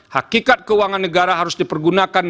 hakikat keuangan negara harus dipergunakan